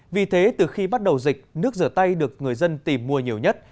vì thế từ khi bắt đầu dịch nước rửa tay được người dân tìm mua nhiều nhất